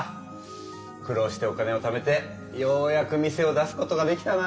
苦労してお金をためてようやく店を出すことができたなぁ。